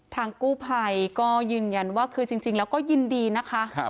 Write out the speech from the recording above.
ทางกู้ภัยก็ยืนยันว่าคือจริงแล้วก็ยินดีนะคะ